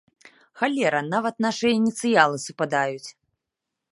Халера, нават нашыя ініцыялы супадаюць!